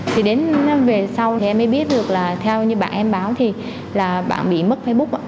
thì đến về sau thì em mới biết được là theo như bạn em báo thì là bạn bị mất facebook ạ